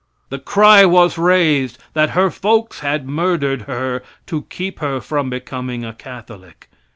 The cry was raised that her folks had murdered her to keep her from becoming a Catholic.